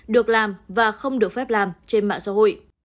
được làm và không được phép làm trên mạng xã hội